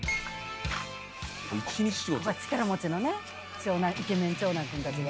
力持ちのねイケメン長男くんたちが。